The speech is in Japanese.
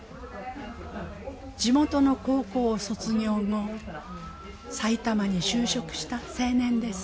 地元の高校を卒業後埼玉に就職した青年です。